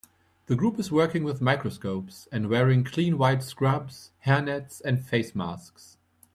The group is working with microscopes and wearing clean white scrubs, hairnets and face masks.